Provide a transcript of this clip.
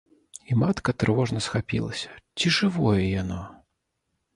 І матка трывожна схапілася, ці жывое яно.